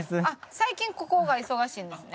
最近ここが忙しいんですね。